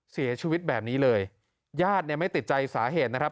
เสียชีวิตแบบนี้เลยญาติเนี่ยไม่ติดใจสาเหตุนะครับ